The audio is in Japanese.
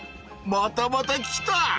またまた来た！